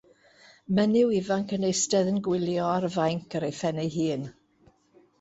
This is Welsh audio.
Menyw ifanc yn eistedd yn gwylio ar fainc ar ei phen ei hun.